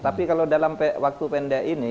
tapi kalau dalam waktu pendek ini